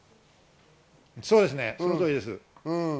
そうですね、その通りです。